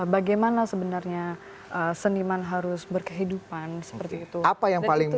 bagaimana sebenarnya seniman harus berkehidupan